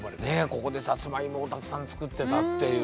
ここでさつまいもをたくさんつくってたっていう。